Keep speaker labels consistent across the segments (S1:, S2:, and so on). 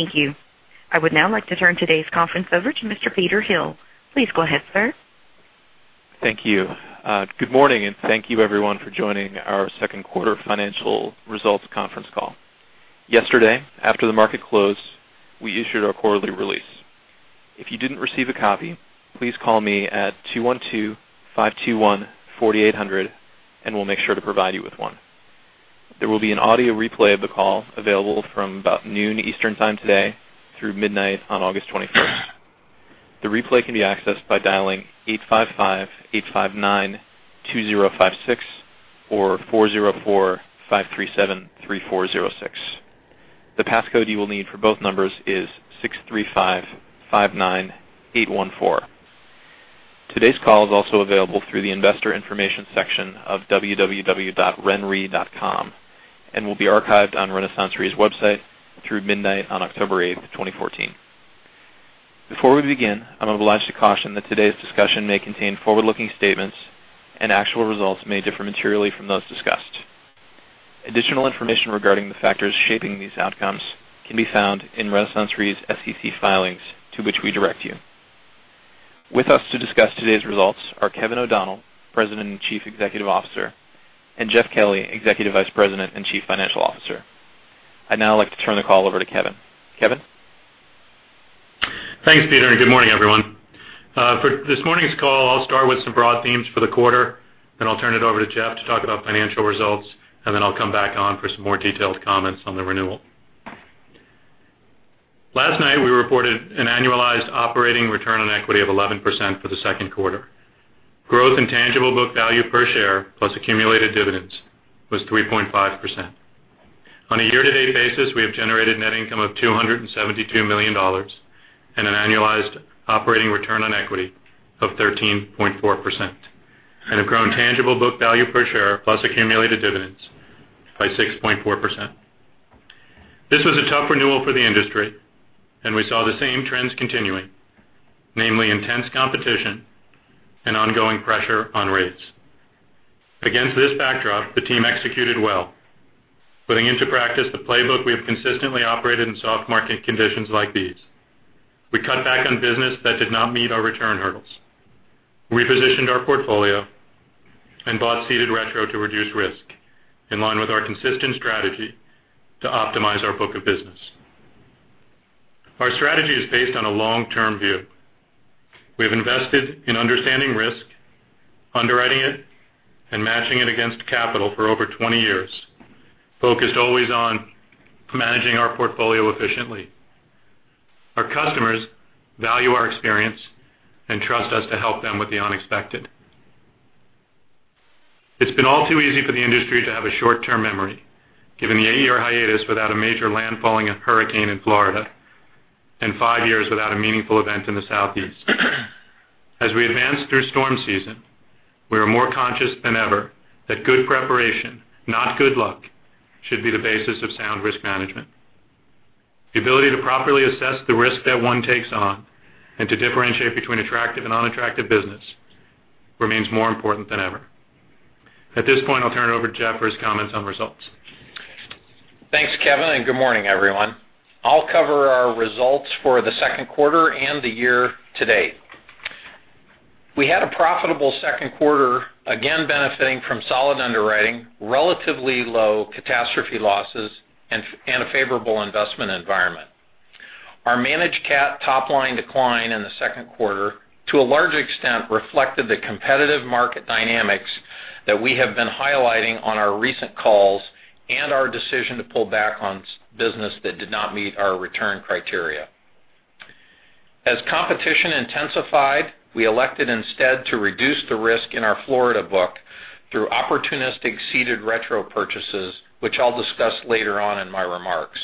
S1: Thank you. I would now like to turn today's conference over to Mr. Peter Hill. Please go ahead, sir.
S2: Thank you. Good morning, and thank you everyone for joining our second quarter financial results conference call. Yesterday, after the market closed, we issued our quarterly release. If you didn't receive a copy, please call me at 212-521-4800 and we'll make sure to provide you with one. There will be an audio replay of the call available from about noon Eastern time today through midnight on August 21st. The replay can be accessed by dialing 855-859-2056 or 404-537-3406. The pass code you will need for both numbers is 63559814. Today's call is also available through the investor information section of www.renre.com and will be archived on RenaissanceRe's website through midnight on October 8th, 2014. Before we begin, I'm obliged to caution that today's discussion may contain forward-looking statements and actual results may differ materially from those discussed. Additional information regarding the factors shaping these outcomes can be found in RenaissanceRe's SEC filings to which we direct you. With us to discuss today's results are Kevin O'Donnell, President and Chief Executive Officer, and Jeff Kelly, Executive Vice President and Chief Financial Officer. I'd now like to turn the call over to Kevin. Kevin?
S3: Thanks, Peter, and good morning, everyone. For this morning's call, I'll start with some broad themes for the quarter, then I'll turn it over to Jeff to talk about financial results, and then I'll come back on for some more detailed comments on the renewal. Last night we reported an annualized operating return on equity of 11% for the second quarter. Growth in tangible book value per share plus accumulated dividends was 3.5%. On a year-to-date basis, we have generated net income of $272 million and an annualized operating return on equity of 13.4%, and have grown tangible book value per share plus accumulated dividends by 6.4%. This was a tough renewal for the industry, and we saw the same trends continuing, namely intense competition and ongoing pressure on rates. Against this backdrop, the team executed well, putting into practice the playbook we have consistently operated in soft market conditions like these. We cut back on business that did not meet our return hurdles. We positioned our portfolio and bought ceded retro to reduce risk in line with our consistent strategy to optimize our book of business. Our strategy is based on a long-term view. We've invested in understanding risk, underwriting it, and matching it against capital for over 20 years, focused always on managing our portfolio efficiently. Our customers value our experience and trust us to help them with the unexpected. It's been all too easy for the industry to have a short-term memory, given the eight-year hiatus without a major landfalling of hurricane in Florida and five years without a meaningful event in the Southeast. As we advance through storm season, we are more conscious than ever that good preparation, not good luck, should be the basis of sound risk management. The ability to properly assess the risk that one takes on and to differentiate between attractive and unattractive business remains more important than ever. At this point, I'll turn it over to Jeff for his comments on results.
S4: Thanks, Kevin. Good morning, everyone. I'll cover our results for the second quarter and the year to date. We had a profitable second quarter, again benefiting from solid underwriting, relatively low catastrophe losses, and a favorable investment environment. Our managed cat top-line decline in the second quarter to a large extent reflected the competitive market dynamics that we have been highlighting on our recent calls and our decision to pull back on business that did not meet our return criteria. As competition intensified, we elected instead to reduce the risk in our Florida book through opportunistic ceded retro purchases, which I'll discuss later on in my remarks.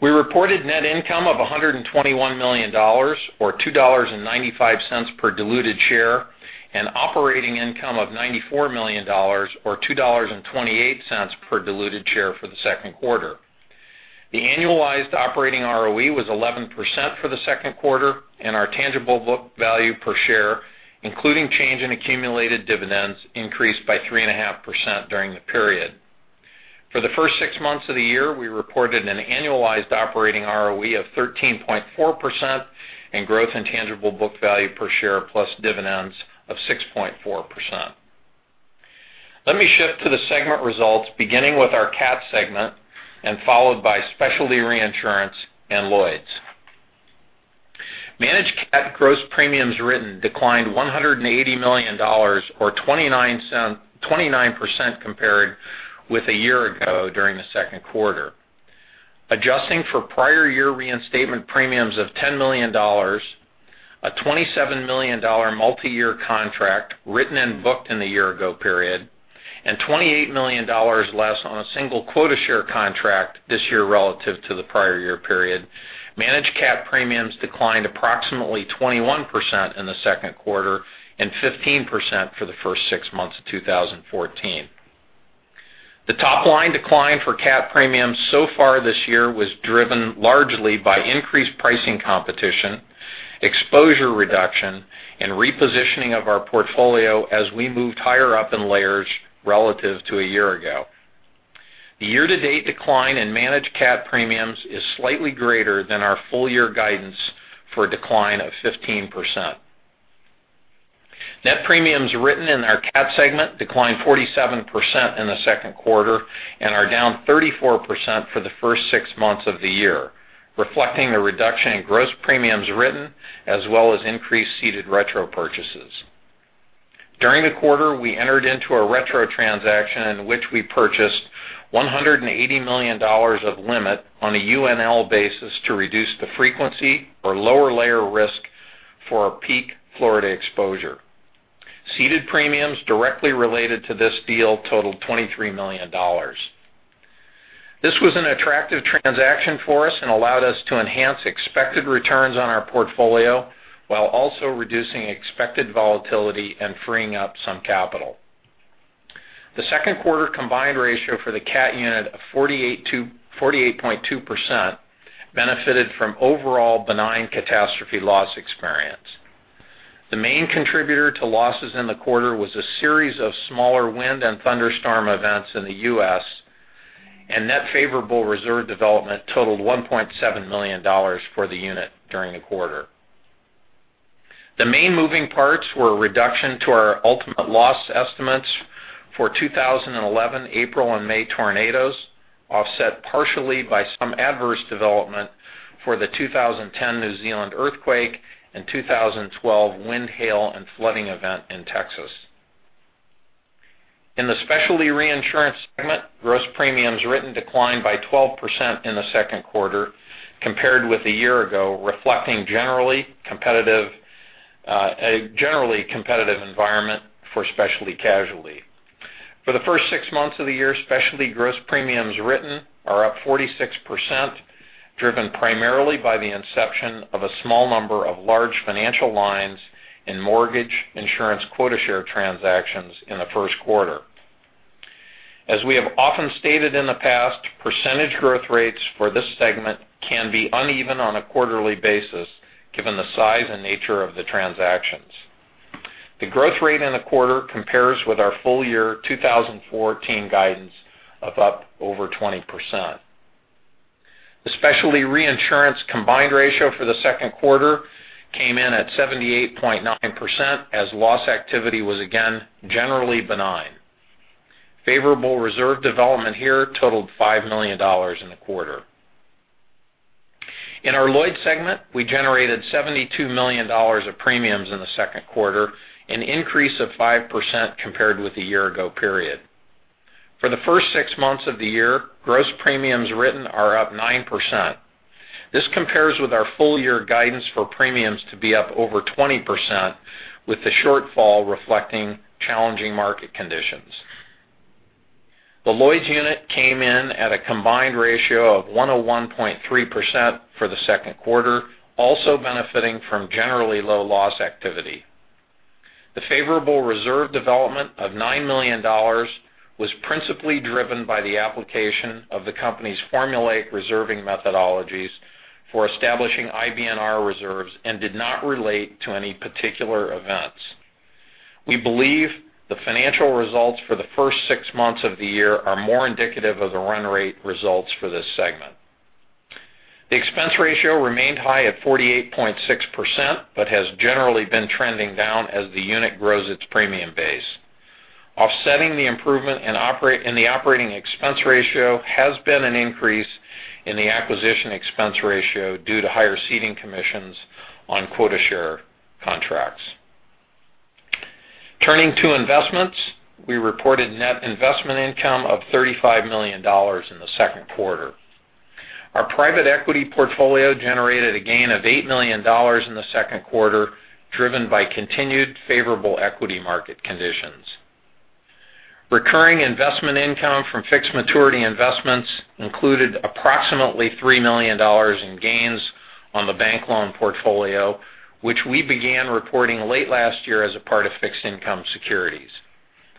S4: We reported net income of $121 million, or $2.95 per diluted share, and operating income of $94 million, or $2.28 per diluted share for the second quarter. The annualized operating ROE was 11% for the second quarter, and our tangible book value per share, including change in accumulated dividends, increased by 3.5% during the period. For the first six months of the year, we reported an annualized operating ROE of 13.4% and growth in tangible book value per share plus dividends of 6.4%. Let me shift to the segment results, beginning with our cat segment and followed by specialty reinsurance and Lloyd's. Managed cat gross premiums written declined $180 million, or 29% compared with a year ago during the second quarter. Adjusting for prior year reinstatement premiums of $10 million, a $27 million multi-year contract written and booked in the year-ago period, and $28 million less on a single quota share contract this year relative to the prior year period, managed cat premiums declined approximately 21% in the second quarter and 15% for the first six months of 2014. The top line decline for cat premiums so far this year was driven largely by increased pricing competition, exposure reduction, and repositioning of our portfolio as we moved higher up in layers relative to a year ago. The year-to-date decline in managed cat premiums is slightly greater than our full-year guidance for a decline of 15%. Net premiums written in our cat segment declined 47% in the second quarter and are down 34% for the first six months of the year, reflecting a reduction in gross premiums written as well as increased ceded retro purchases. During the quarter, we entered into a retro transaction in which we purchased $180 million of limit on a UNL basis to reduce the frequency or lower layer risk for our peak Florida exposure. Ceded premiums directly related to this deal totaled $23 million. This was an attractive transaction for us and allowed us to enhance expected returns on our portfolio while also reducing expected volatility and freeing up some capital. The second quarter combined ratio for the cat unit of 48.2% benefited from overall benign catastrophe loss experience. The main contributor to losses in the quarter was a series of smaller wind and thunderstorm events in the U.S., net favorable reserve development totaled $1.7 million for the unit during the quarter. The main moving parts were a reduction to our ultimate loss estimates for 2011 April and May tornadoes, offset partially by some adverse development for the 2010 New Zealand earthquake and 2012 wind, hail, and flooding event in Texas. In the specialty reinsurance segment, gross premiums written declined by 12% in the second quarter compared with a year ago, reflecting a generally competitive environment for specialty casualty. For the first six months of the year, specialty gross premiums written are up 46%, driven primarily by the inception of a small number of large financial lines in mortgage insurance quota share transactions in the first quarter. As we have often stated in the past, percentage growth rates for this segment can be uneven on a quarterly basis given the size and nature of the transactions. The growth rate in the quarter compares with our full-year 2014 guidance of up over 20%. The specialty reinsurance combined ratio for the second quarter came in at 78.9% as loss activity was again generally benign. Favorable reserve development here totaled $5 million in the quarter. In our Lloyd's segment, we generated $72 million of premiums in the second quarter, an increase of 5% compared with the year ago period. For the first six months of the year, gross premiums written are up 9%. This compares with our full-year guidance for premiums to be up over 20%, with the shortfall reflecting challenging market conditions. The Lloyd's unit came in at a combined ratio of 101.3% for the second quarter, also benefiting from generally low loss activity. The favorable reserve development of $9 million was principally driven by the application of the company's formulaic reserving methodologies for establishing IBNR reserves and did not relate to any particular events. We believe the financial results for the first six months of the year are more indicative of the run rate results for this segment. The expense ratio remained high at 48.6%, but has generally been trending down as the unit grows its premium base. Offsetting the improvement in the operating expense ratio has been an increase in the acquisition expense ratio due to higher ceded commissions on quota share contracts. Turning to investments. We reported net investment income of $35 million in the second quarter. Our private equity portfolio generated a gain of $8 million in the second quarter, driven by continued favorable equity market conditions. Recurring investment income from fixed maturity investments included approximately $3 million in gains on the bank loan portfolio, which we began reporting late last year as a part of fixed income securities.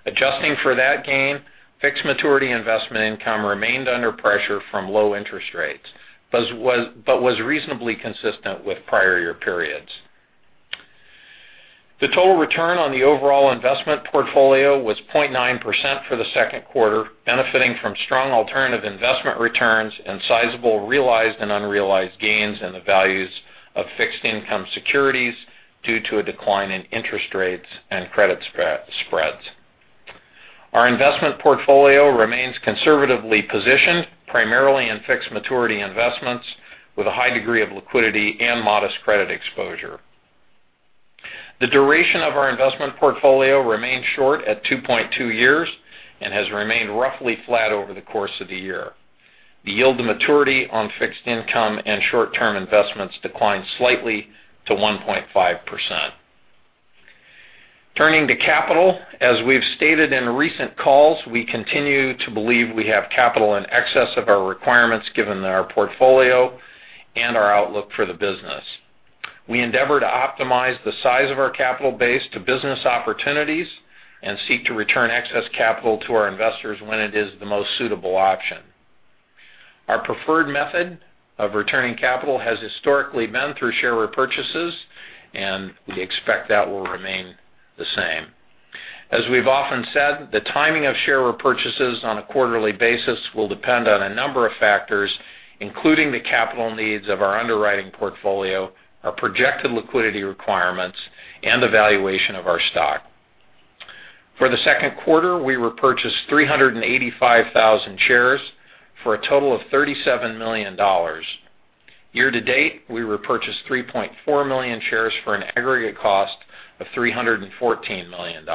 S4: Adjusting for that gain, fixed maturity investment income remained under pressure from low interest rates, but was reasonably consistent with prior year periods. The total return on the overall investment portfolio was 0.9% for the second quarter, benefiting from strong alternative investment returns and sizable realized and unrealized gains in the values of fixed income securities due to a decline in interest rates and credit spreads. Our investment portfolio remains conservatively positioned, primarily in fixed maturity investments with a high degree of liquidity and modest credit exposure. The duration of our investment portfolio remains short at 2.2 years and has remained roughly flat over the course of the year. The yield to maturity on fixed income and short-term investments declined slightly to 1.5%. Turning to capital. As we've stated in recent calls, we continue to believe we have capital in excess of our requirements given our portfolio and our outlook for the business. We endeavor to optimize the size of our capital base to business opportunities and seek to return excess capital to our investors when it is the most suitable option. Our preferred method of returning capital has historically been through share repurchases, and we expect that will remain the same. As we've often said, the timing of share repurchases on a quarterly basis will depend on a number of factors, including the capital needs of our underwriting portfolio, our projected liquidity requirements, and the valuation of our stock. For the second quarter, we repurchased 385,000 shares for a total of $37 million. Year-to-date, we repurchased 3.4 million shares for an aggregate cost of $314 million.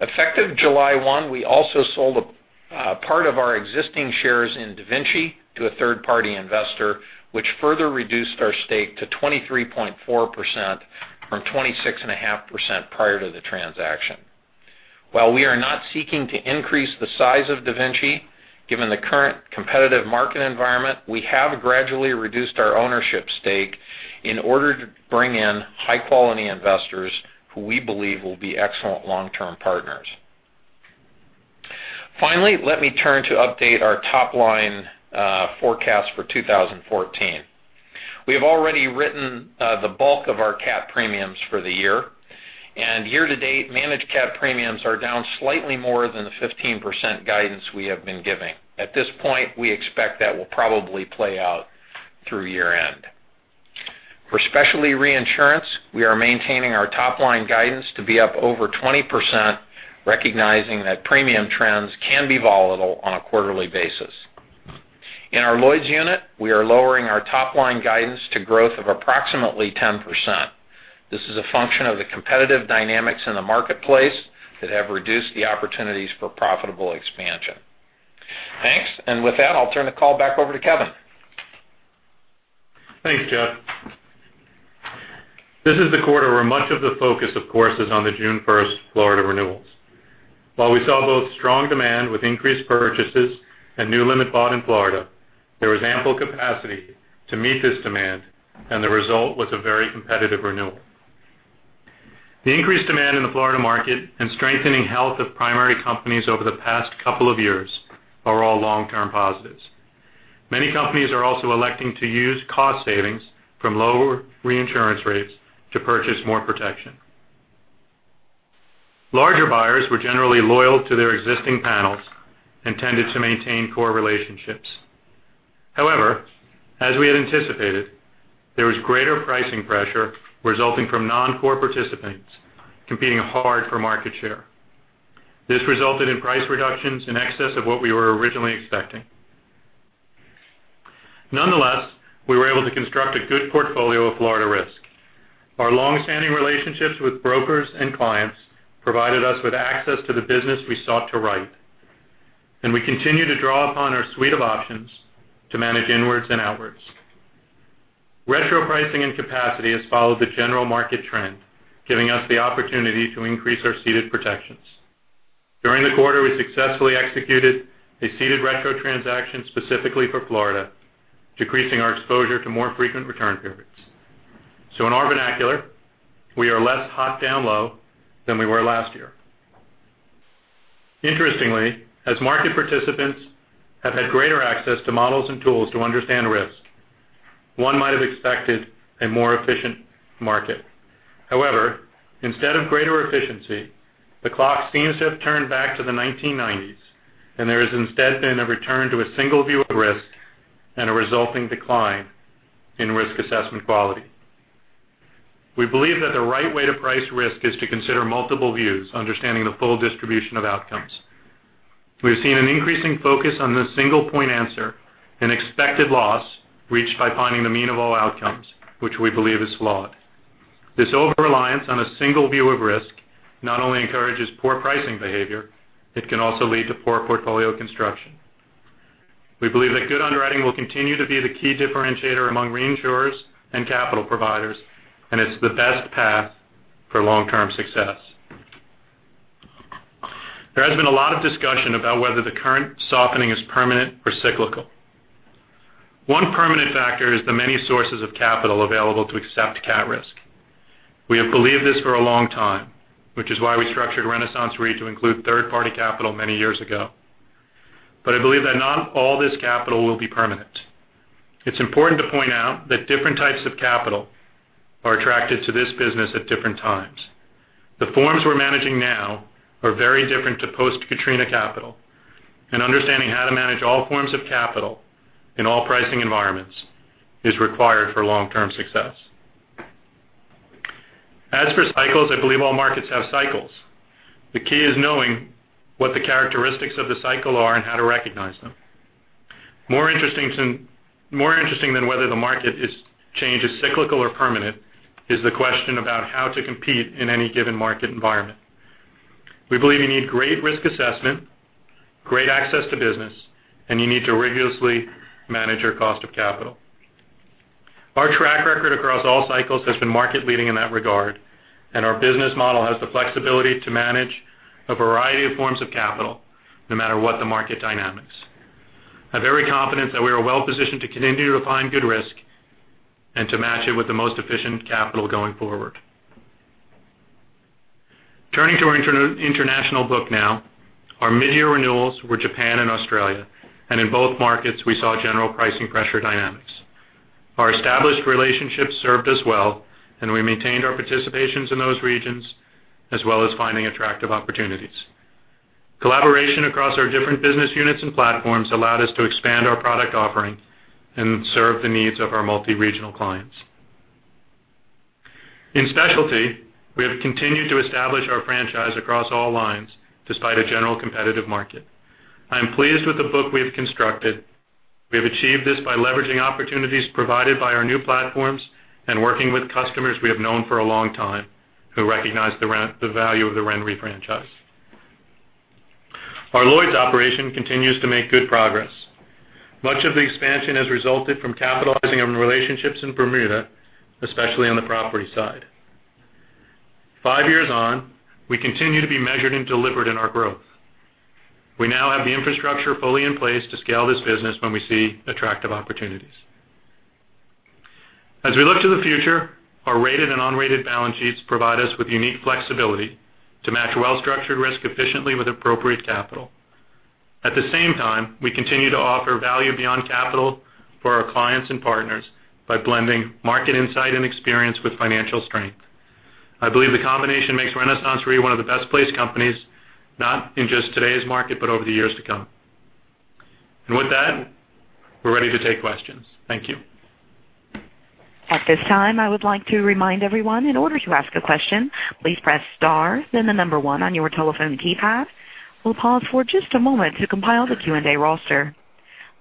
S4: Effective July 1, we also sold a part of our existing shares in DaVinci to a third-party investor, which further reduced our stake to 23.4% from 26.5% prior to the transaction. While we are not seeking to increase the size of DaVinci, given the current competitive market environment, we have gradually reduced our ownership stake in order to bring in high-quality investors who we believe will be excellent long-term partners. Finally, let me turn to update our top-line forecast for 2014. We have already written the bulk of our cat premiums for the year, and year-to-date managed cat premiums are down slightly more than the 15% guidance we have been giving. At this point, we expect that will probably play out through year-end. For specialty reinsurance, we are maintaining our top-line guidance to be up over 20%, recognizing that premium trends can be volatile on a quarterly basis. In our Lloyd's unit, we are lowering our top-line guidance to growth of approximately 10%. This is a function of the competitive dynamics in the marketplace that have reduced the opportunities for profitable expansion. Thanks. With that, I'll turn the call back over to Kevin.
S3: Thanks, Jeff. This is the quarter where much of the focus, of course, is on the June 1st Florida renewals. While we saw both strong demand with increased purchases and new limit bought in Florida, there was ample capacity to meet this demand, and the result was a very competitive renewal. The increased demand in the Florida market and strengthening health of primary companies over the past couple of years are all long-term positives. Many companies are also electing to use cost savings from lower reinsurance rates to purchase more protection. Larger buyers were generally loyal to their existing panels and tended to maintain core relationships. However, as we had anticipated, there was greater pricing pressure resulting from non-core participants competing hard for market share. This resulted in price reductions in excess of what we were originally expecting. Nonetheless, we were able to construct a good portfolio of Florida risk. Our long-standing relationships with brokers and clients provided us with access to the business we sought to write, and we continue to draw upon our suite of options to manage inwards and outwards. Retro pricing and capacity has followed the general market trend, giving us the opportunity to increase our ceded protections. During the quarter, we successfully executed a ceded retro transaction specifically for Florida, decreasing our exposure to more frequent return periods. In our vernacular, we are less hot down low than we were last year. Interestingly, as market participants have had greater access to models and tools to understand risk, one might have expected a more efficient market. However, instead of greater efficiency, the clock seems to have turned back to the 1990s, and there has instead been a return to a single view of risk and a resulting decline in risk assessment quality. We believe that the right way to price risk is to consider multiple views, understanding the full distribution of outcomes. We've seen an increasing focus on the single point answer and expected loss reached by finding the mean of all outcomes, which we believe is flawed. This over-reliance on a single view of risk not only encourages poor pricing behavior, it can also lead to poor portfolio construction. We believe that good underwriting will continue to be the key differentiator among reinsurers and capital providers, and it's the best path for long-term success. There has been a lot of discussion about whether the current softening is permanent or cyclical. One permanent factor is the many sources of capital available to accept cat risk. We have believed this for a long time, which is why we structured RenaissanceRe to include third-party capital many years ago. I believe that not all this capital will be permanent. It's important to point out that different types of capital are attracted to this business at different times. The forms we're managing now are very different to post-Katrina capital, understanding how to manage all forms of capital in all pricing environments is required for long-term success. As for cycles, I believe all markets have cycles. The key is knowing what the characteristics of the cycle are and how to recognize them. More interesting than whether the market change is cyclical or permanent is the question about how to compete in any given market environment. We believe you need great risk assessment, great access to business, and you need to rigorously manage your cost of capital. Our track record across all cycles has been market leading in that regard, our business model has the flexibility to manage a variety of forms of capital, no matter what the market dynamics. I'm very confident that we are well positioned to continue to find good risk and to match it with the most efficient capital going forward. Turning to our international book now, our mid-year renewals were Japan and Australia, in both markets we saw general pricing pressure dynamics. Our established relationships served us well, we maintained our participations in those regions, as well as finding attractive opportunities. Collaboration across our different business units and platforms allowed us to expand our product offering and serve the needs of our multi-regional clients. In Specialty, we have continued to establish our franchise across all lines despite a general competitive market. I am pleased with the book we have constructed. We have achieved this by leveraging opportunities provided by our new platforms and working with customers we have known for a long time, who recognize the value of the RenRe franchise. Our Lloyd's operation continues to make good progress. Much of the expansion has resulted from capitalizing on relationships in Bermuda, especially on the property side. Five years on, we continue to be measured and deliberate in our growth. We now have the infrastructure fully in place to scale this business when we see attractive opportunities. As we look to the future, our rated and unrated balance sheets provide us with unique flexibility to match well-structured risk efficiently with appropriate capital. At the same time, we continue to offer value beyond capital for our clients and partners by blending market insight and experience with financial strength. I believe the combination makes RenaissanceRe one of the best-placed companies, not in just today's market, but over the years to come. With that, we're ready to take questions. Thank you.
S1: At this time, I would like to remind everyone, in order to ask a question, please press star, then the number 1 on your telephone keypad. We'll pause for just a moment to compile the Q&A roster.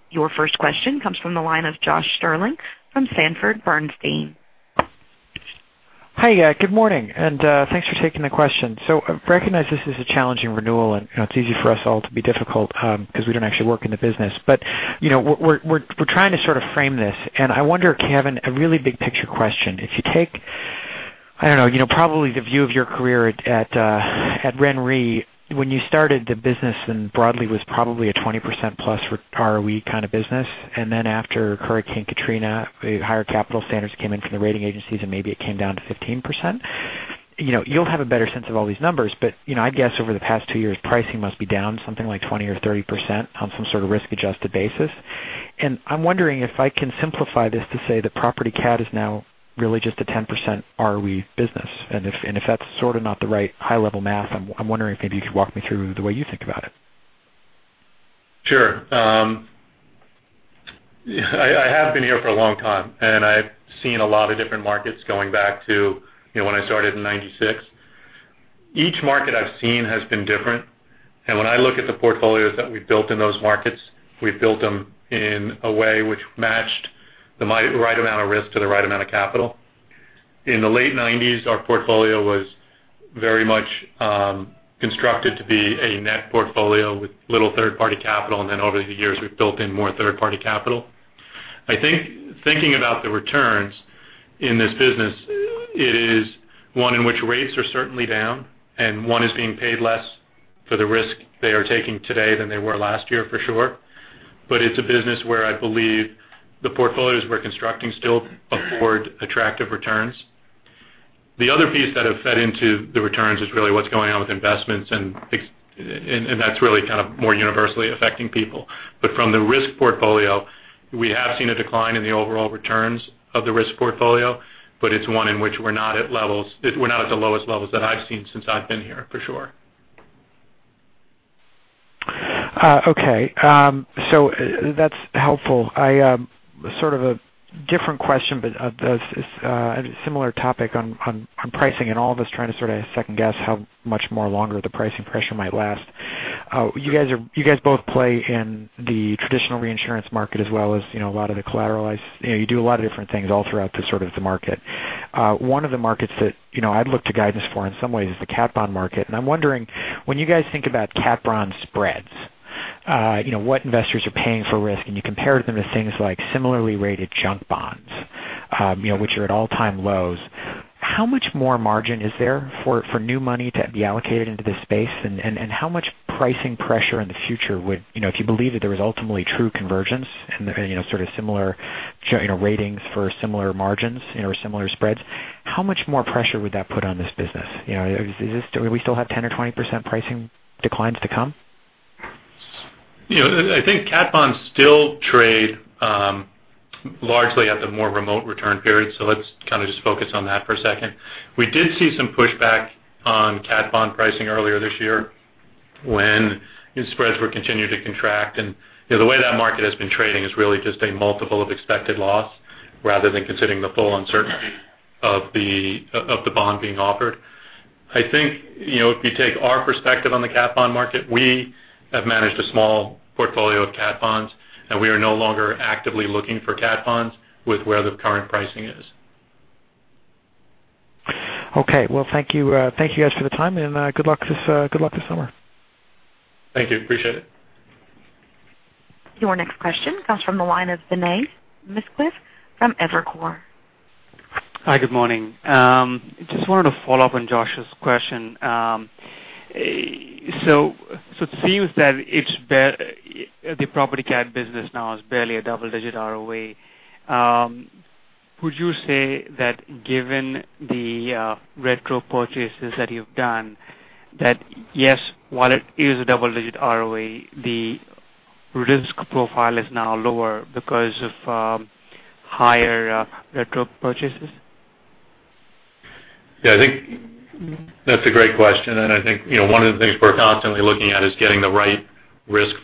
S1: Your first question comes from the line of Josh Stirling from Sanford C. Bernstein.
S5: Hi. Good morning, and thanks for taking the question. I recognize this is a challenging renewal, and it's easy for us all to be difficult because we don't actually work in the business. We're trying to frame this, and I wonder, Kevin, a really big picture question. If you take, I don't know, probably the view of your career at RenRe when you started the business and broadly was probably a 20% plus ROE kind of business, and then after Hurricane Katrina, higher capital standards came in from the rating agencies, and maybe it came down to 15%. You'll have a better sense of all these numbers, but I'd guess over the past two years, pricing must be down something like 20% or 30% on some sort of risk-adjusted basis. I'm wondering if I can simplify this to say that property catastrophe is now really just a 10% ROE business. If that's sort of not the right high level math, I'm wondering if maybe you could walk me through the way you think about it.
S3: Sure. I have been here for a long time, and I've seen a lot of different markets going back to when I started in 1996. Each market I've seen has been different, and when I look at the portfolios that we've built in those markets, we've built them in a way which matched the right amount of risk to the right amount of capital. In the late 1990s, our portfolio was very much constructed to be a net portfolio with little third-party capital. Over the years, we've built in more third-party capital. I think thinking about the returns in this business, it is one in which rates are certainly down, and one is being paid less for the risk they are taking today than they were last year, for sure. It's a business where I believe the portfolios we're constructing still afford attractive returns. The other piece that have fed into the returns is really what's going on with investments, That's really kind of more universally affecting people. From the risk portfolio, we have seen a decline in the overall returns of the risk portfolio, but it's one in which we're not at the lowest levels that I've seen since I've been here, for sure.
S5: Okay. That's helpful. Sort of a different question, a similar topic on pricing and all of us trying to sort of second guess how much more longer the pricing pressure might last. You guys both play in the traditional reinsurance market as well as a lot of the collateralized. You do a lot of different things all throughout the market. One of the markets that I'd look to guidance for in some ways is the cat bond market. I'm wondering, when you guys think about cat bond spreads, what investors are paying for risk, and you compare them to things like similarly rated junk bonds which are at all-time lows, how much more margin is there for new money to be allocated into this space? How much pricing pressure in the future would, if you believe that there is ultimately true convergence and sort of similar ratings for similar margins or similar spreads, how much more pressure would that put on this business? Do we still have 10% or 20% pricing declines to come?
S3: I think cat bonds still trade largely at the more remote return periods, Let's kind of just focus on that for a second. We did see some pushback on cat bond pricing earlier this year when spreads were continuing to contract, The way that market has been trading is really just a multiple of expected loss rather than considering the full uncertainty of the bond being offered. I think if you take our perspective on the cat bond market, we have managed a small portfolio of cat bonds, We are no longer actively looking for cat bonds with where the current pricing is.
S5: Okay. Well, thank you guys for the time, and good luck this summer.
S3: Thank you. Appreciate it.
S1: Your next question comes from the line of Vinay Misquith from Evercore.
S6: Hi. Good morning. Just wanted to follow up on Josh's question. It seems that the Property Cat business now is barely a double-digit ROE. Would you say that given the retro purchases that you've done, that yes, while it is a double-digit ROE, the risk profile is now lower because of higher retro purchases?
S3: Yeah, I think that's a great question. I think one of the things we're constantly looking at is getting the right risk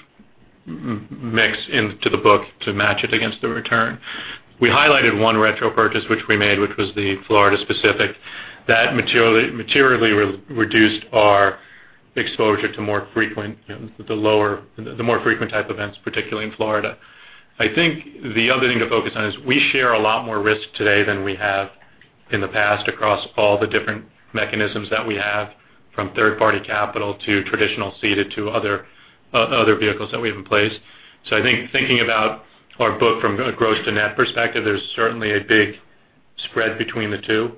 S3: mix into the book to match it against the return. We highlighted one retro purchase which we made, which was the Florida specific. That materially reduced our exposure to the more frequent type events, particularly in Florida. I think the other thing to focus on is we share a lot more risk today than we have in the past across all the different mechanisms that we have, from third-party capital to traditional ceded to other vehicles that we have in place. I think thinking about our book from a gross to net perspective, there's certainly a big spread between the two,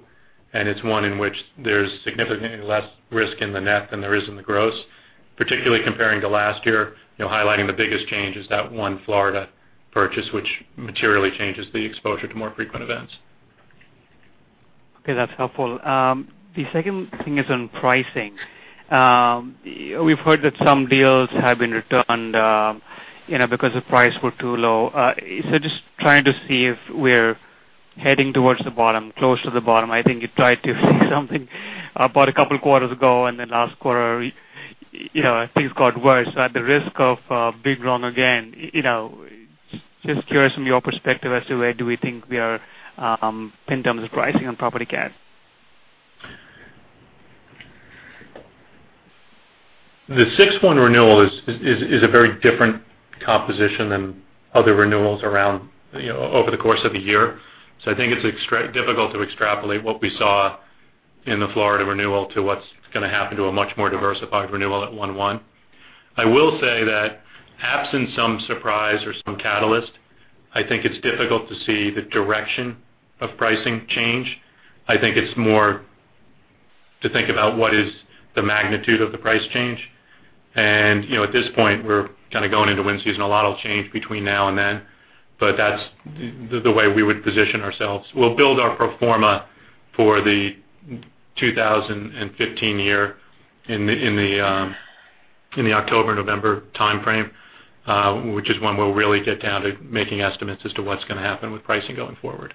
S3: and it's one in which there's significantly less risk in the net than there is in the gross, particularly comparing to last year. Highlighting the biggest change is that one Florida purchase, which materially changes the exposure to more frequent events.
S6: Okay, that's helpful. The second thing is on pricing. We've heard that some deals have been returned because the price were too low. Just trying to see if we're heading towards the bottom, close to the bottom. I think you tried to say something about a couple of quarters ago, and then last quarter, things got worse. At the risk of being wrong again, just curious from your perspective as to where do we think we are in terms of pricing on property catastrophe?
S3: The 6/1 renewal is a very different composition than other renewals around over the course of the year. I think it's difficult to extrapolate what we saw in the Florida renewal to what's going to happen to a much more diversified renewal at 1/1. I will say that absent some surprise or some catalyst, I think it's difficult to see the direction of pricing change. I think it's more to think about what is the magnitude of the price change. At this point, we're kind of going into wind season. A lot will change between now and then, but that's the way we would position ourselves. We'll build our pro forma for the 2015 year in the October-November time frame, which is when we'll really get down to making estimates as to what's going to happen with pricing going forward.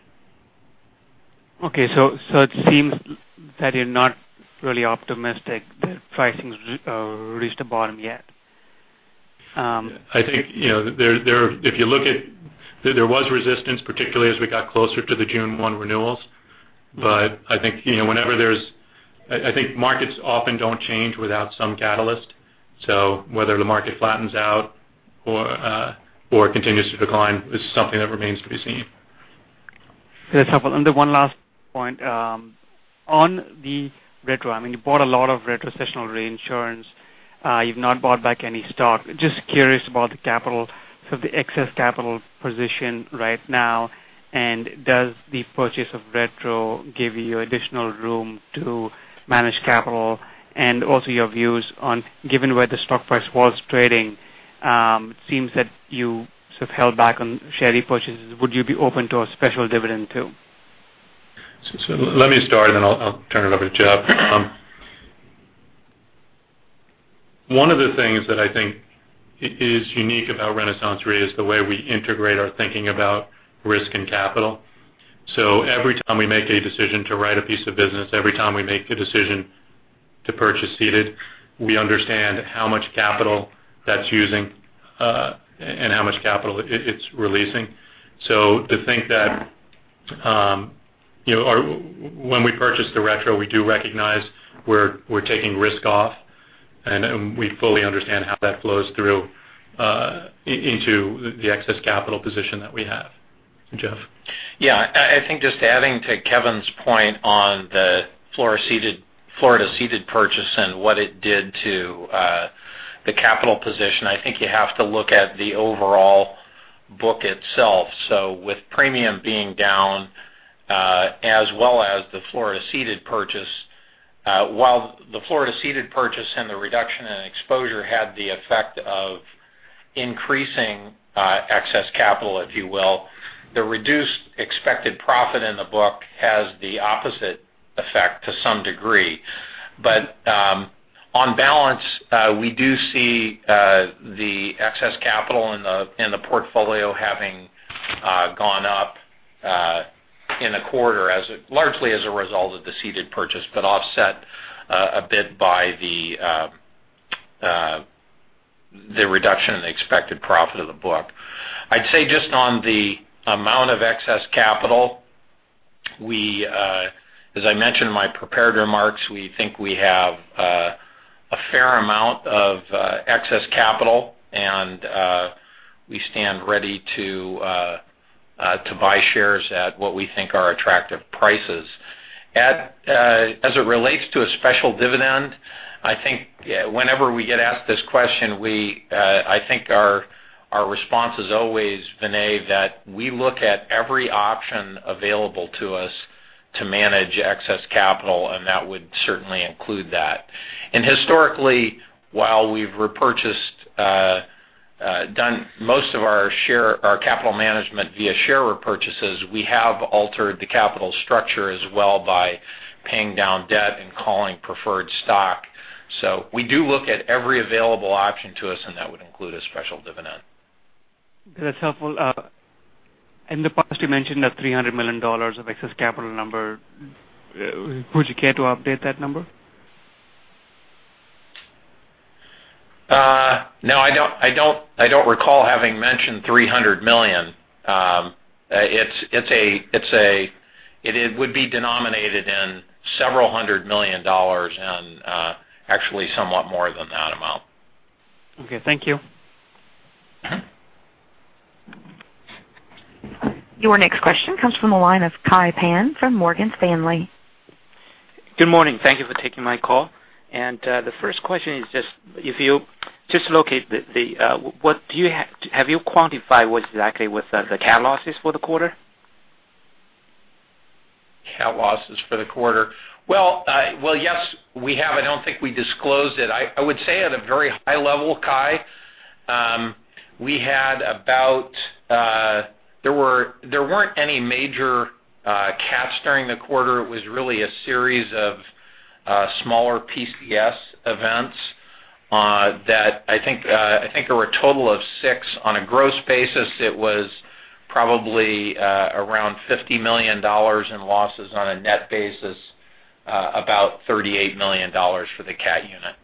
S6: Okay. It seems that you're not really optimistic that pricing's reached a bottom yet.
S3: There was resistance, particularly as we got closer to the June 1 renewals. I think markets often don't change without some catalyst. Whether the market flattens out or continues to decline is something that remains to be seen.
S6: Okay. That's helpful. The one last point, on the retro, you bought a lot of retrocessional reinsurance. You've not bought back any stock. Just curious about the capital, the excess capital position right now, and does the purchase of retro give you additional room to manage capital? Also your views on given where the stock price was trading, it seems that you sort of held back on share repurchases. Would you be open to a special dividend too?
S3: Let me start, and then I'll turn it over to Jeff. One of the things that I think is unique about RenaissanceRe is the way we integrate our thinking about risk and capital. Every time we make a decision to write a piece of business, every time we make the decision to purchase ceded, we understand how much capital that's using, and how much capital it's releasing. To think that when we purchase the retro, we do recognize we're taking risk off, and we fully understand how that flows through into the excess capital position that we have. Jeff.
S4: I think just adding to Kevin's point on the Florida ceded purchase and what it did to the capital position, I think you have to look at the overall book itself. With premium being down, as well as the Florida ceded purchase. While the Florida ceded purchase and the reduction in exposure had the effect of increasing excess capital, if you will, the reduced expected profit in the book has the opposite effect to some degree. On balance, we do see the excess capital in the portfolio having gone up in a quarter largely as a result of the ceded purchase, but offset a bit by the reduction in the expected profit of the book. I'd say just on the amount of excess capital, as I mentioned in my prepared remarks, we think we have a fair amount of excess capital, and we stand ready to buy shares at what we think are attractive prices. As it relates to a special dividend, I think whenever we get asked this question, I think our response is always, Vinay, that we look at every option available to us to manage excess capital, and that would certainly include that. Historically, while we've done most of our capital management via share repurchases. We have altered the capital structure as well by paying down debt and calling preferred stock. We do look at every available option to us, and that would include a special dividend.
S6: That's helpful. In the past, you mentioned that $300 million of excess capital number. Would you care to update that number?
S4: No, I don't recall having mentioned $300 million. It would be denominated in $several hundred million and actually somewhat more than that amount.
S6: Okay. Thank you.
S1: Your next question comes from the line of Kai Pan from Morgan Stanley.
S7: Good morning. Thank you for taking my call. The first question is just if you just have you quantified what exactly was the cat losses for the quarter?
S4: Cat losses for the quarter. Well, yes, we have. I don't think we disclosed it. I would say at a very high level, Kai, there weren't any major cats during the quarter. It was really a series of smaller PCS events that I think were a total of six. On a gross basis, it was probably around $50 million in losses. On a net basis, about $38 million for the cat unit.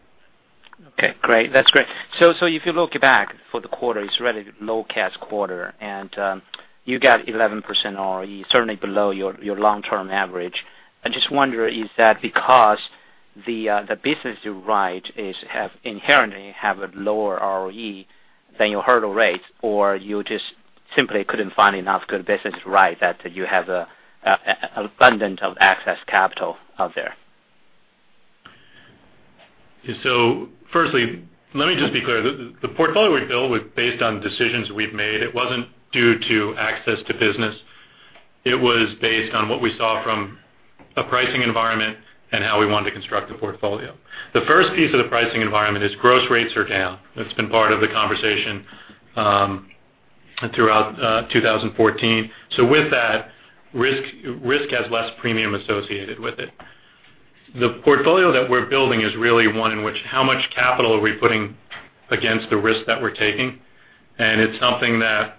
S7: Okay, great. That's great. If you look back for the quarter, it's really low cat quarter, and you got 11% ROE, certainly below your long-term average. I just wonder, is that because the business you write inherently have a lower ROE than your hurdle rates? Or you just simply couldn't find enough good business to write, that you have abundance of excess capital out there?
S3: Firstly, let me just be clear. The portfolio we built was based on decisions we've made. It wasn't due to access to business. It was based on what we saw from a pricing environment and how we wanted to construct the portfolio. The first piece of the pricing environment is gross rates are down. That's been part of the conversation throughout 2014. With that, risk has less premium associated with it. The portfolio that we're building is really one in which how much capital are we putting against the risk that we're taking. It's something that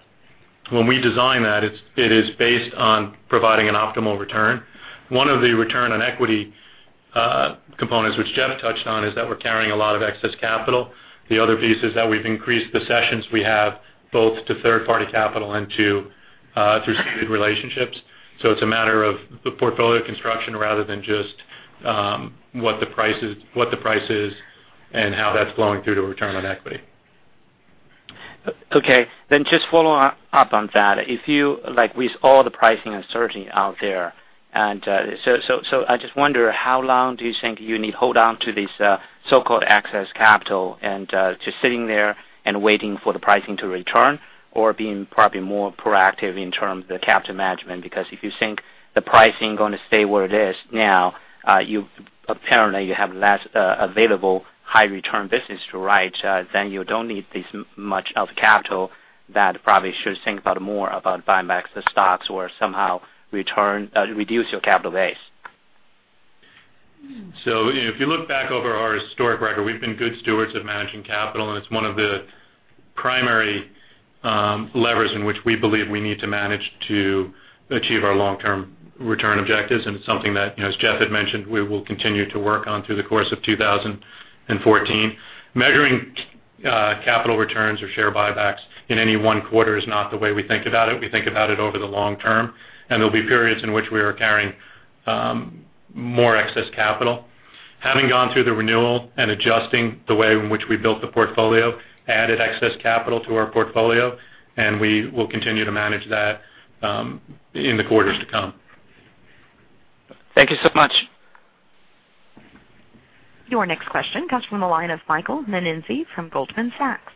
S3: when we design that, it is based on providing an optimal return. One of the return on equity components, which Jeff touched on, is that we're carrying a lot of excess capital. The other piece is that we've increased the cessions we have both to third-party capital and through relationships. It's a matter of the portfolio construction rather than just what the price is and how that's flowing through to return on equity.
S7: Okay. Just follow up on that. With all the pricing uncertainty out there, I just wonder, how long do you think you need hold on to this so-called excess capital and just sitting there and waiting for the pricing to return or being probably more proactive in terms of the capital management? If you think the pricing going to stay where it is now, apparently you have less available high return business to write, then you don't need this much of capital that probably should think more about buying back the stocks or somehow reduce your capital base.
S3: If you look back over our historic record, we have been good stewards of managing capital, and it is one of the primary levers in which we believe we need to manage to achieve our long-term return objectives. It is something that, as Jeff had mentioned, we will continue to work on through the course of 2014. Measuring capital returns or share buybacks in any one quarter is not the way we think about it. We think about it over the long term, and there will be periods in which we are carrying more excess capital. Having gone through the renewal and adjusting the way in which we built the portfolio, added excess capital to our portfolio, we will continue to manage that in the quarters to come.
S7: Thank you so much.
S1: Your next question comes from the line of Michael Nannizzi from Goldman Sachs.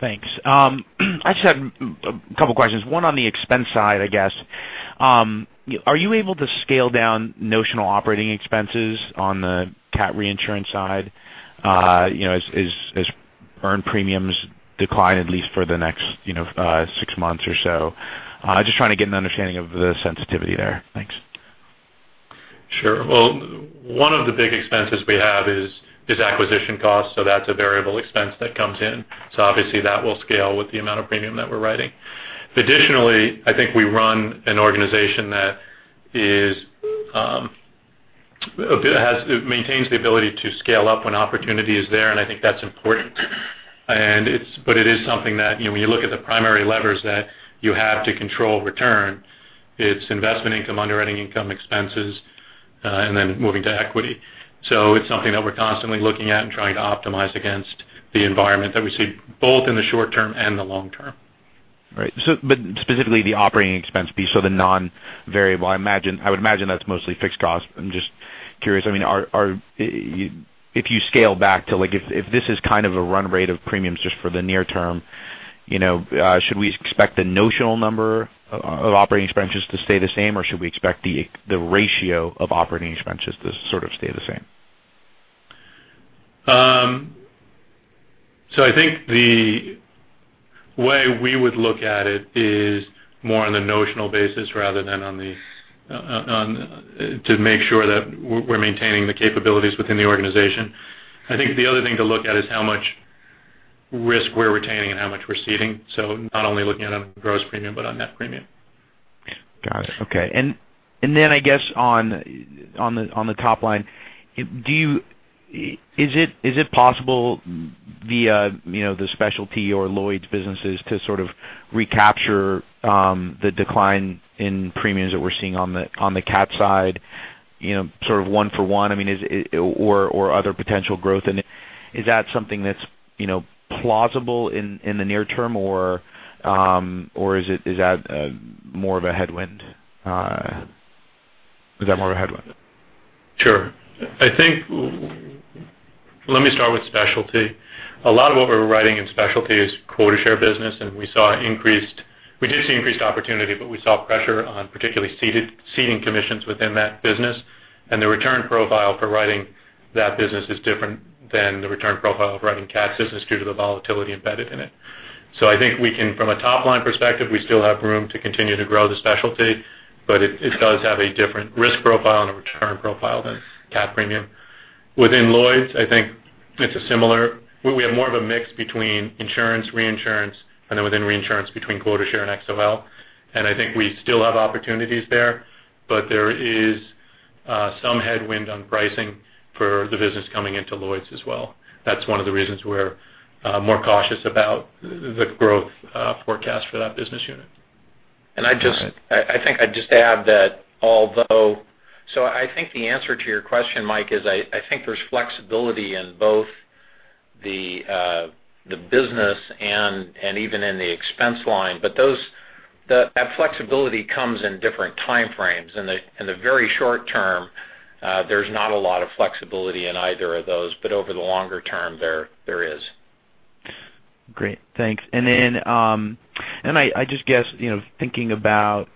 S8: Thanks. I just have a couple of questions. One on the expense side, I guess. Are you able to scale down notional operating expenses on the cat reinsurance side as earned premiums decline, at least for the next six months or so? Just trying to get an understanding of the sensitivity there. Thanks.
S3: Well, one of the big expenses we have is acquisition costs, that's a variable expense that comes in. Obviously, that will scale with the amount of premium that we're writing. Additionally, I think we run an organization that maintains the ability to scale up when opportunity is there, and I think that's important. It is something that when you look at the primary levers that you have to control return, it's investment income, underwriting income, expenses, and then moving to equity. It's something that we're constantly looking at and trying to optimize against the environment that we see both in the short term and the long term.
S8: Specifically the operating expense piece, the non-variable. I would imagine that's mostly fixed costs. I'm just curious, if you scale back to like if this is kind of a run rate of premiums just for the near term, should we expect the notional number of operating expenses to stay the same, or should we expect the ratio of operating expenses to stay the same?
S3: I think the way we would look at it is more on the notional basis rather than to make sure that we're maintaining the capabilities within the organization. I think the other thing to look at is how much risk we're retaining and how much we're ceding. Not only looking at it on gross premium, but on net premium.
S8: Then, I guess on the top line, is it possible via the specialty or Lloyd's businesses to sort of recapture the decline in premiums that we're seeing on the cat side sort of one for one or other potential growth in it? Is that something that's plausible in the near term, or is that more of a headwind?
S3: Sure. Let me start with specialty. A lot of what we're writing in specialty is quota share business, we did see increased opportunity, but we saw pressure on particularly ceding commissions within that business. The return profile for writing that business is different than the return profile of writing cat business due to the volatility embedded in it. I think from a top-line perspective, we still have room to continue to grow the specialty, but it does have a different risk profile and a return profile than cat premium. Within Lloyd's, I think it's similar. We have more of a mix between insurance, reinsurance, and then within reinsurance between quota share and XOL, and I think we still have opportunities there, but there is some headwind on pricing for the business coming into Lloyd's as well. That's one of the reasons we're more cautious about the growth forecast for that business unit.
S4: I think I'd just add that I think the answer to your question, Mike, is I think there's flexibility in both the business and even in the expense line. That flexibility comes in different time frames. In the very short term, there's not a lot of flexibility in either of those, but over the longer term, there is.
S8: Great. Thanks. I just guess, thinking about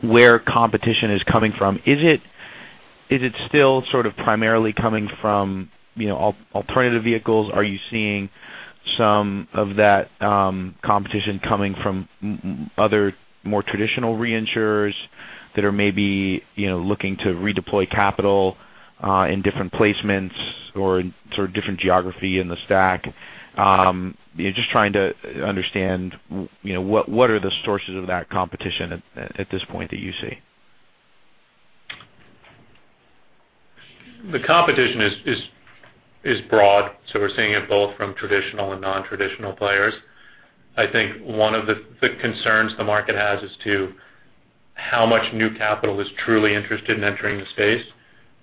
S8: where competition is coming from, is it still sort of primarily coming from alternative vehicles? Are you seeing some of that competition coming from other more traditional reinsurers that are maybe looking to redeploy capital in different placements or in sort of different geography in the stack? Just trying to understand what are the sources of that competition at this point that you see.
S3: The competition is broad. We're seeing it both from traditional and non-traditional players. One of the concerns the market has as to how much new capital is truly interested in entering the space,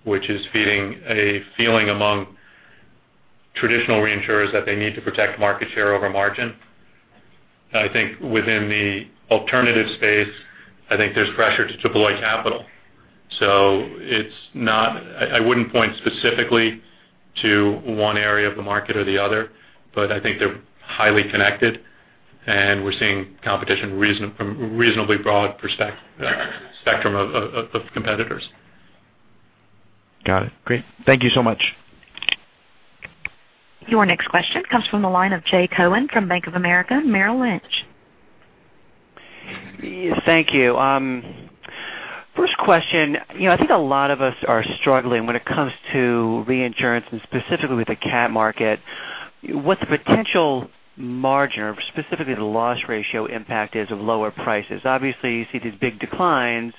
S3: which is feeding a feeling among traditional reinsurers that they need to protect market share over margin. Within the alternative space, there's pressure to deploy capital. I wouldn't point specifically to one area of the market or the other, but I think they're highly connected, and we're seeing competition from a reasonably broad spectrum of competitors.
S8: Got it. Great. Thank you so much.
S1: Your next question comes from the line of Jay Cohen from Bank of America Merrill Lynch.
S9: Thank you. First question. A lot of us are struggling when it comes to reinsurance and specifically with the cat market. What's the potential margin, or specifically the loss ratio impact is of lower prices? Obviously, you see these big declines.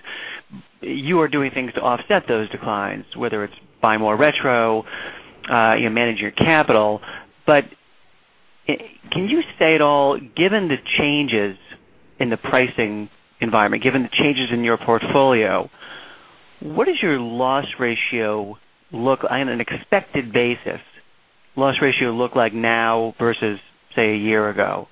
S9: You are doing things to offset those declines, whether it's buy more retro, manage your capital. Can you say at all, given the changes in the pricing environment, given the changes in your portfolio, what does your loss ratio look on an expected basis, like now versus, say, a year ago?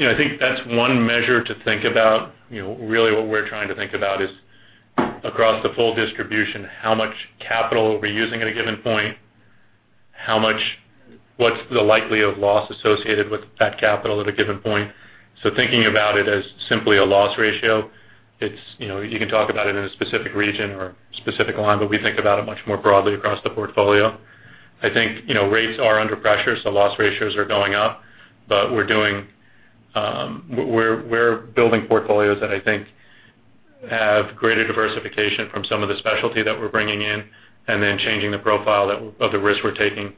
S3: I think that's one measure to think about. Really what we're trying to think about is across the full distribution, how much capital we're using at a given point, what's the likely loss associated with that capital at a given point. Thinking about it as simply a loss ratio, you can talk about it in a specific region or a specific line, but we think about it much more broadly across the portfolio. I think rates are under pressure, loss ratios are going up. We're building portfolios that I think have greater diversification from some of the specialty that we're bringing in and then changing the profile of the risk we're taking,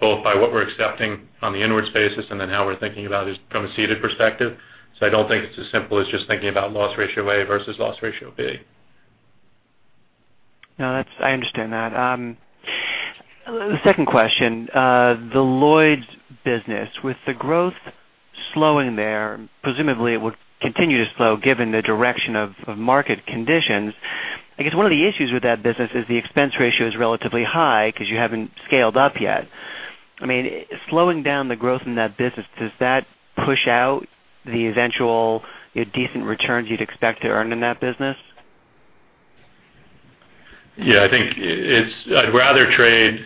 S3: both by what we're accepting on the inward space and then how we're thinking about it from a ceded perspective. I don't think it's as simple as just thinking about loss ratio A versus loss ratio B.
S9: No, I understand that. The second question, the Lloyd's business. With the growth slowing there, presumably it would continue to slow given the direction of market conditions. I guess one of the issues with that business is the expense ratio is relatively high because you haven't scaled up yet. Slowing down the growth in that business, does that push out the eventual decent returns you'd expect to earn in that business?
S3: Yeah, I think I'd rather trade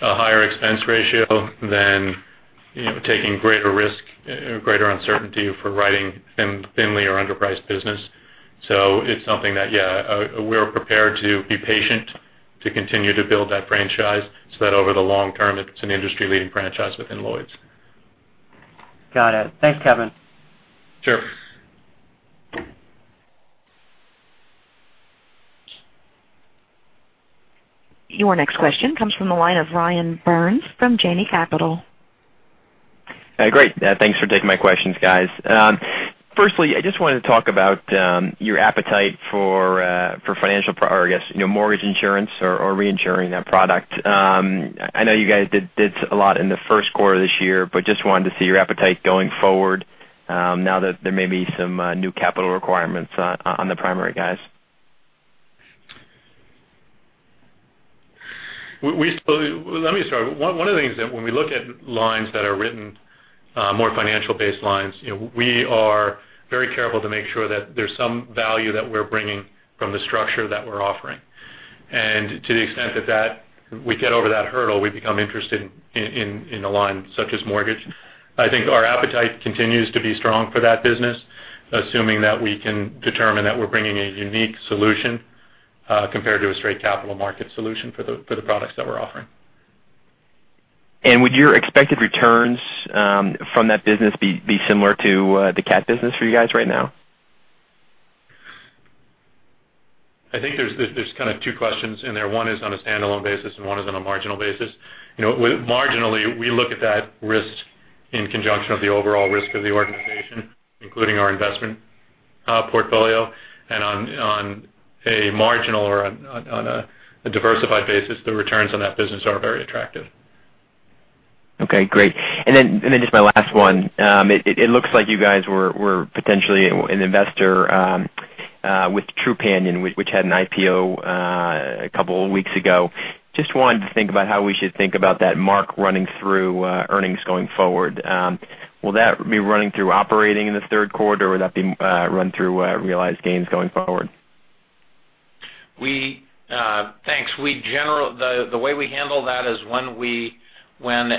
S3: a higher expense ratio than taking greater risk, greater uncertainty for writing thinly or underpriced business. It's something that, yeah, we're prepared to be patient to continue to build that franchise so that over the long term, it's an industry-leading franchise within Lloyd's.
S9: Got it. Thanks, Kevin.
S3: Sure.
S1: Your next question comes from the line of Ryan Tunis from Janney Montgomery Scott.
S10: Great. Thanks for taking my questions, guys. Firstly, I just wanted to talk about your appetite for financial, or I guess, mortgage insurance or reinsuring that product. I know you guys did a lot in the first quarter of this year, but just wanted to see your appetite going forward now that there may be some new capital requirements on the primary guys.
S3: Let me start. One of the things that when we look at lines that are written, more financial baselines, we are very careful to make sure that there's some value that we're bringing from the structure that we're offering. To the extent that we get over that hurdle, we become interested in the line, such as mortgage. I think our appetite continues to be strong for that business, assuming that we can determine that we're bringing a unique solution compared to a straight capital market solution for the products that we're offering.
S10: Would your expected returns from that business be similar to the cat business for you guys right now?
S3: I think there's kind of two questions in there. One is on a standalone basis, and one is on a marginal basis. Marginally, we look at that risk in conjunction with the overall risk of the organization, including our investment portfolio, and on a marginal or on a diversified basis, the returns on that business are very attractive.
S10: Okay, great. Just my last one. It looks like you guys were potentially an investor with Trupanion, which had an IPO a couple of weeks ago. Just wanted to think about how we should think about that mark running through earnings going forward. Will that be running through operating in the third quarter, or would that be run through realized gains going forward?
S4: Thanks. The way we handle that is when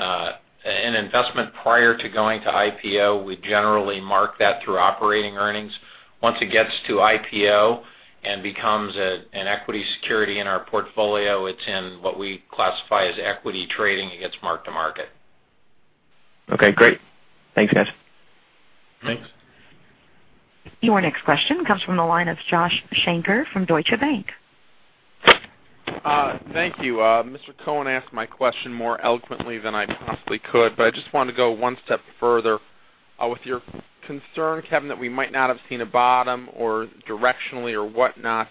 S4: an investment prior to going to IPO, we generally mark that through operating earnings. Once it gets to IPO and becomes an equity security in our portfolio, it's in what we classify as equity trading. It gets marked to market.
S10: Okay, great. Thanks, guys.
S4: Thanks.
S1: Your next question comes from the line of Joshua Shanker from Deutsche Bank.
S11: Thank you. Mr. Cohen asked my question more eloquently than I possibly could. I just wanted to go one step further. With your concern, Kevin, that we might not have seen a bottom or directionally or whatnot,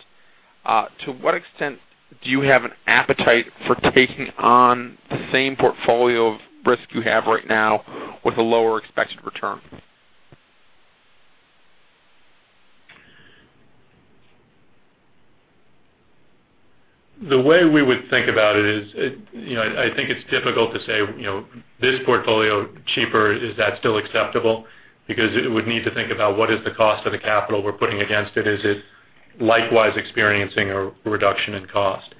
S11: to what extent do you have an appetite for taking on the same portfolio of risk you have right now with a lower expected return?
S3: The way we would think about it is, I think it's difficult to say, this portfolio cheaper, is that still acceptable? We'd need to think about what is the cost of the capital we're putting against it. Is it likewise experiencing a reduction in cost?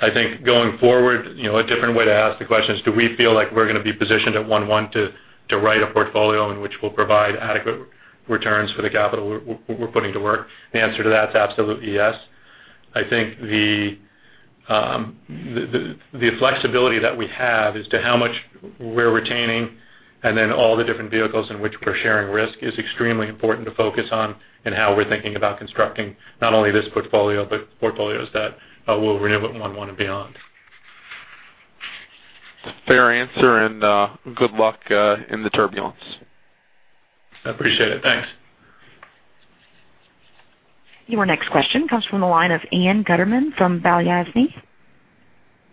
S3: I think going forward, a different way to ask the question is, do we feel like we're going to be positioned at one to write a portfolio in which we'll provide adequate returns for the capital we're putting to work? The answer to that's absolutely yes. I think the flexibility that we have as to how much we're retaining and then all the different vehicles in which we're sharing risk is extremely important to focus on in how we're thinking about constructing not only this portfolio, but portfolios that we'll renew at one and beyond.
S11: Fair answer, good luck in the turbulence.
S3: I appreciate it. Thanks.
S1: Your next question comes from the line of Ian Gutterman from Balyasny.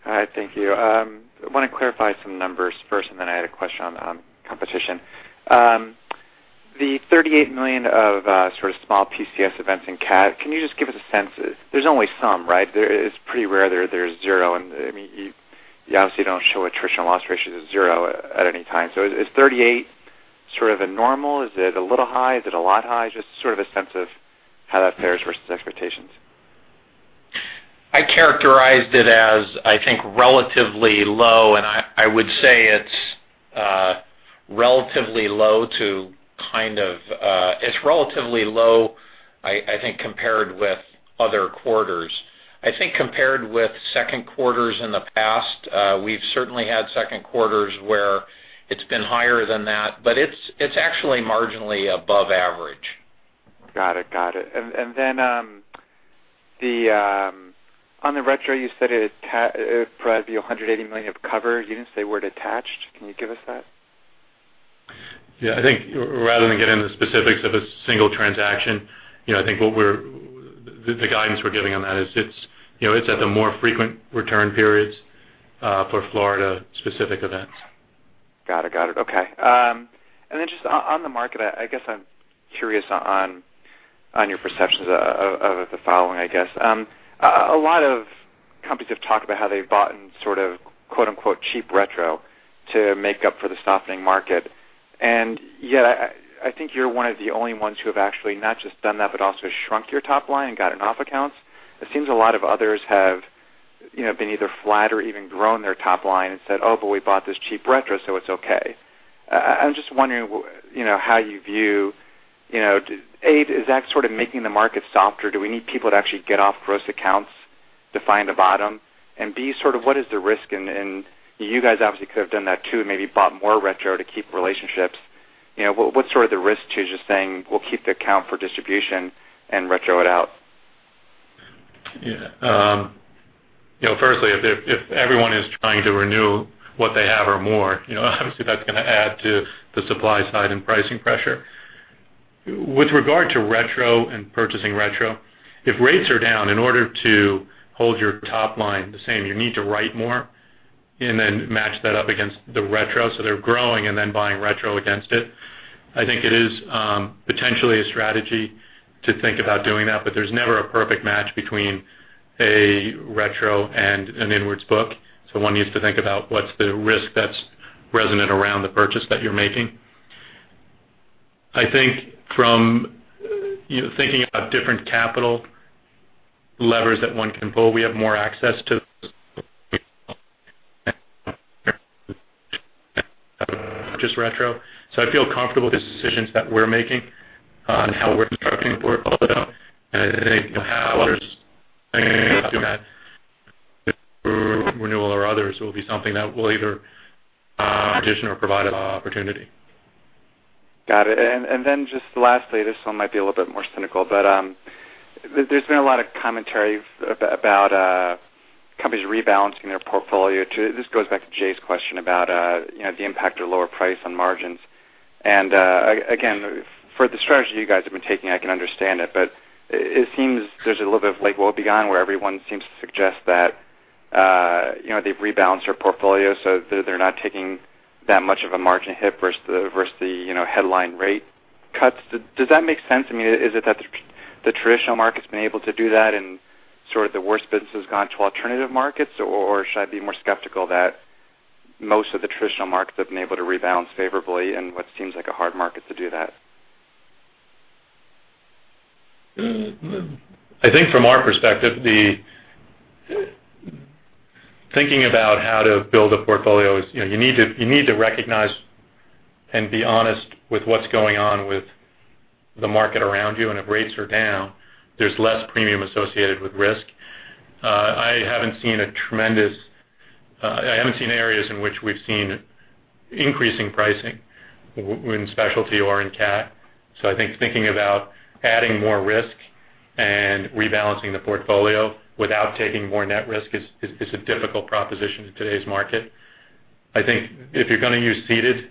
S12: Hi, thank you. I want to clarify some numbers first, then I had a question on competition. The $38 million of sort of small PCS events in cat, can you just give us a sense? There's only some, right? It's pretty rare there's zero, you obviously don't show attrition loss ratios at zero at any time. Is 38 sort of a normal, is it a little high? Is it a lot high? Just sort of a sense of how that fares versus expectations.
S4: I characterized it as, I think, relatively low. I would say it's relatively low, I think, compared with other quarters. I think compared with second quarters in the past, we've certainly had second quarters where it's been higher than that, but it's actually marginally above average.
S12: Got it. On the retro, you said it provides you $180 million of cover. You didn't say where it attached. Can you give us that?
S3: Yeah, I think rather than get into the specifics of a single transaction, I think the guidance we're giving on that is it's at the more frequent return periods for Florida specific events.
S12: Got it. Okay. Just on the market, I guess I'm curious on your perceptions of the following, I guess. A lot of companies have talked about how they've bought in sort of "cheap retro" to make up for the softening market. Yet, I think you're one of the only ones who have actually not just done that, but also shrunk your top line and gotten off accounts. It seems a lot of others have been either flat or even grown their top line and said, "We bought this cheap retro, so it's okay." I'm just wondering how you view, A, is that sort of making the market softer? Do we need people to actually get off gross accounts to find a bottom? B, sort of what is the risk? You guys obviously could have done that too, and maybe bought more retro to keep relationships. What's sort of the risk to just saying, "We'll keep the account for distribution and retro it out?
S3: Firstly, if everyone is trying to renew what they have or more, obviously that's going to add to the supply side and pricing pressure. With regard to retro and purchasing retro, if rates are down, in order to hold your top line the same, you need to write more and then match that up against the retro, so they're growing and then buying retro against it. I think it is potentially a strategy to think about doing that, but there's never a perfect match between a retro and an inwards book. One needs to think about what's the risk that's resonant around the purchase that you're making. I think from thinking about different capital levers that one can pull, we have more access to just retro. I feel comfortable with the decisions that we're making on how we're constructing the portfolio. I think how others renewal or others will be something that will either addition or provide an opportunity.
S12: Got it. Then just lastly, this one might be a little bit more cynical, but there's been a lot of commentary about companies rebalancing their portfolio to, this goes back to Jay's question about the impact of lower price on margins. Again, for the strategy you guys have been taking, I can understand it, but it seems there's a little bit of Lake Wobegon where everyone seems to suggest that they've rebalanced their portfolio so they're not taking that much of a margin hit versus the headline rate cuts. Does that make sense? I mean, is it that the traditional market's been able to do that and sort of the worst business has gone to alternative markets? Or should I be more skeptical that most of the traditional markets have been able to rebalance favorably in what seems like a hard market to do that?
S3: I think from our perspective, thinking about how to build a portfolio is you need to recognize and be honest with what's going on with the market around you. If rates are down, there's less premium associated with risk. I haven't seen areas in which we've seen increasing pricing in specialty or in CAT. I think thinking about adding more risk and rebalancing the portfolio without taking more net risk is a difficult proposition in today's market. I think if you're going to use ceded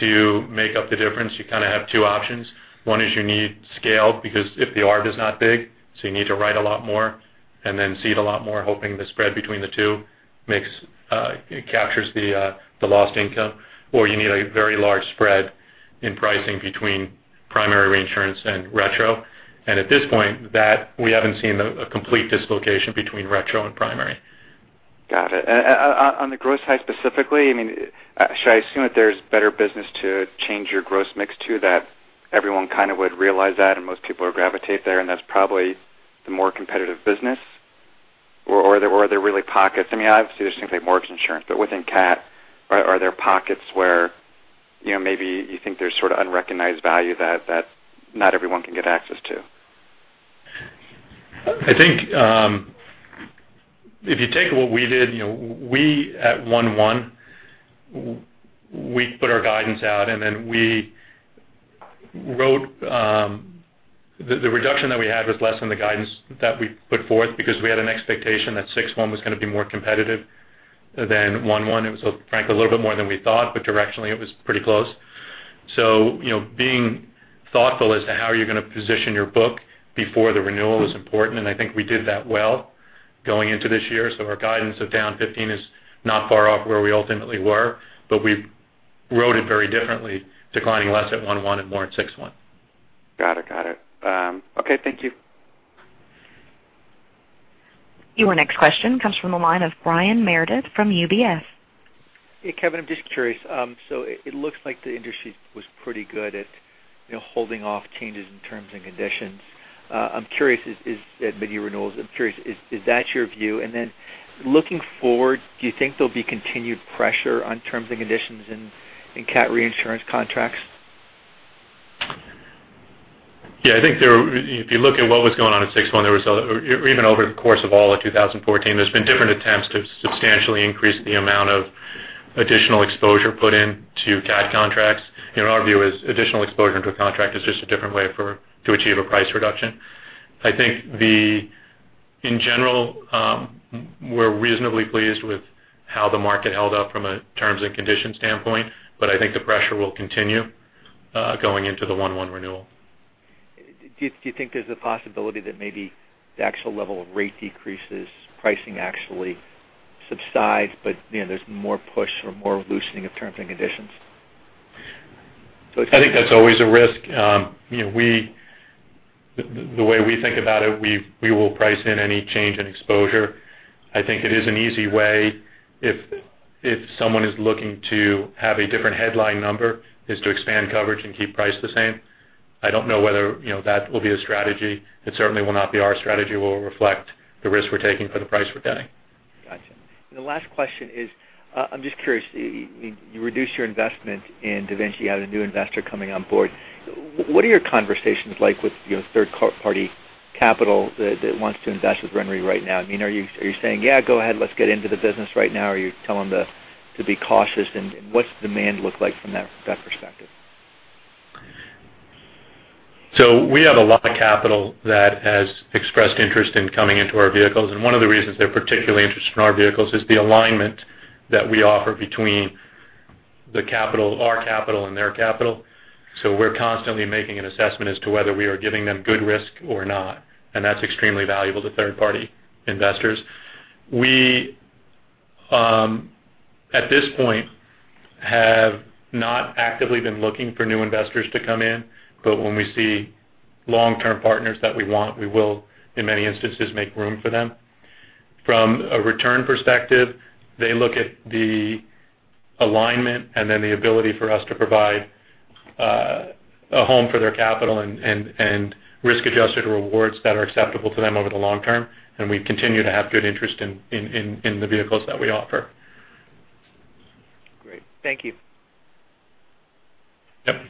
S3: to make up the difference, you kind of have two options. One is you need scale because if the arb is not big, you need to write a lot more and then cede a lot more hoping the spread between the two captures the lost income, or you need a very large spread in pricing between primary reinsurance and retro. At this point, that we haven't seen a complete dislocation between retro and primary.
S12: Got it. On the gross side specifically, should I assume that there's better business to change your gross mix to that everyone kind of would realize that and most people would gravitate there, and that's probably the more competitive business? Or are there really pockets? I mean, obviously, there's things like mortgage insurance. But within CAT, are there pockets where maybe you think there's sort of unrecognized value that not everyone can get access to?
S3: I think if you take what we did, we at 1/1 put our guidance out, the reduction that we had was less than the guidance that we put forth because we had an expectation that 6/1 was going to be more competitive than 1/1. It was, frankly, a little bit more than we thought, but directionally, it was pretty close. Being thoughtful as to how you're going to position your book before the renewal is important, I think we did that well going into this year. Our guidance of down 15% is not far off where we ultimately were, but we wrote it very differently, declining less at 1/1 and more at 6/1.
S12: Got it. Okay, thank you.
S1: Your next question comes from the line of Brian Meredith from UBS.
S13: Hey, Kevin. I'm just curious. It looks like the industry was pretty good at holding off changes in terms and conditions. I'm curious, at many renewals, is that your view? Looking forward, do you think there'll be continued pressure on terms and conditions in CAT reinsurance contracts?
S3: Yeah, I think if you look at what was going on at 6/1, even over the course of all of 2014, there's been different attempts to substantially increase the amount of additional exposure put into CAT contracts. Our view is additional exposure into a contract is just a different way to achieve a price reduction. I think in general, we're reasonably pleased with how the market held up from a terms and conditions standpoint, I think the pressure will continue going into the 1/1 renewal.
S13: Do you think there's a possibility that maybe the actual level of rate decreases, pricing actually subsides, but there's more push or more loosening of term conditions?
S3: I think that's always a risk. The way we think about it, we will price in any change in exposure. I think it is an easy way if someone is looking to have a different headline number, is to expand coverage and keep price the same. I don't know whether that will be a strategy. It certainly will not be our strategy. We'll reflect the risk we're taking for the price we're getting.
S13: Got you. The last question is, I'm just curious, you reduced your investment in DaVinciRe. You have a new investor coming on board. What are your conversations like with third-party capital that wants to invest with RenRe right now? Are you saying, "Yeah, go ahead. Let's get into the business right now," or are you telling them to be cautious? What's demand look like from that perspective?
S3: We have a lot of capital that has expressed interest in coming into our vehicles, and one of the reasons they're particularly interested in our vehicles is the alignment that we offer between our capital and their capital. We're constantly making an assessment as to whether we are giving them good risk or not, and that's extremely valuable to third-party investors. We, at this point, have not actively been looking for new investors to come in, but when we see long-term partners that we want, we will, in many instances, make room for them. From a return perspective, they look at the alignment and then the ability for us to provide a home for their capital and risk-adjusted rewards that are acceptable to them over the long term, and we continue to have good interest in the vehicles that we offer.
S13: Great. Thank you.
S3: Yep.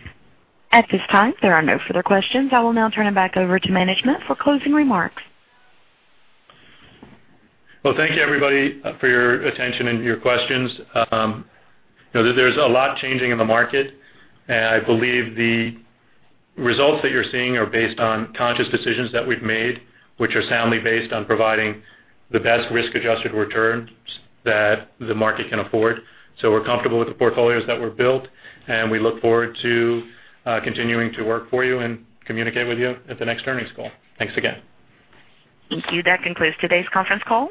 S1: At this time, there are no further questions. I will now turn it back over to management for closing remarks.
S3: Well, thank you, everybody, for your attention and your questions. There's a lot changing in the market, and I believe the results that you're seeing are based on conscious decisions that we've made, which are soundly based on providing the best risk-adjusted returns that the market can afford. We're comfortable with the portfolios that were built, and we look forward to continuing to work for you and communicate with you at the next earnings call. Thanks again.
S1: Thank you. That concludes today's conference call.